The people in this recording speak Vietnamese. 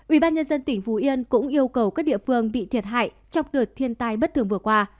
ubnd tỉnh phú yên cũng yêu cầu các địa phương bị thiệt hại trong đợt thiên tai bất thường vừa qua